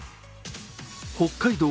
北海道